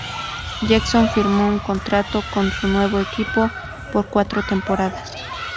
Jackson firmó un contrato con su nuevo equipo por cuatro temporadas.